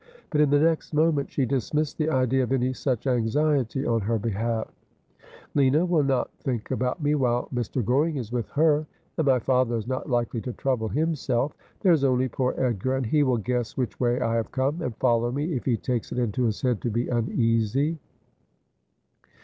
But in the next moment she dismissed the idea of any such anxiety on her behalf. ' Lina will not think about me while Mr. Goring is with her ; and my father is not likely to trouble himself. There is only poor Edgar, and he will guess which way I have come, and follow me if he takes it into his head to be uneasy.'